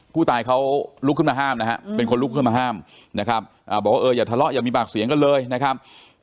ผู้ตายเขาลุกขึ้นมาห้ามนะฮะเป็นคนลุกขึ้นมาห้ามนะครับบอกว่าเอออย่าทะเลาะอย่ามีปากเสียงกันเลยนะครับ